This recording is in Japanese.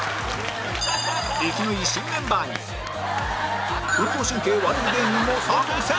生きのいい新メンバーに運動神経悪い芸人も参戦！